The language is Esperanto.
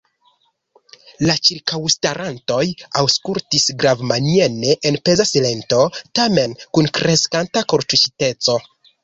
La ĉirkaŭstarantoj aŭskultis gravamiene en peza silento, tamen kun kreskanta kortuŝiteco.